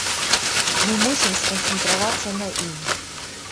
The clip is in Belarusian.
Мы мусім сканцэнтравацца на ім.